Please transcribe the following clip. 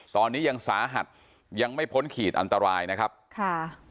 ตอนนี้ยังสาหัสยังไม่พ้นขีดอันตรายนะครับค่ะ